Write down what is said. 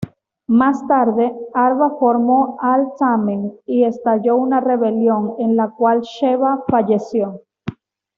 Más tarde, Arba formó Al-Thamen y estalló una rebelión, en la cual Sheba falleció.